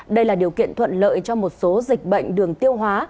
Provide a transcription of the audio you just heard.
đây là điều kiện thuận lợi cho một số dịch bệnh đường tiêu hóa